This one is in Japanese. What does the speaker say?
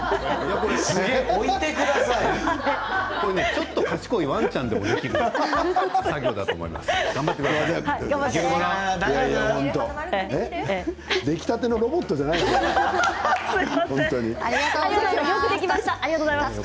ちょっと賢いワンちゃんでもできる作業だと思います。